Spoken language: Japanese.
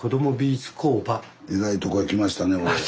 えらいとこへ来ましたね俺。